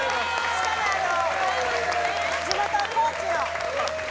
しかも、地元・高地の。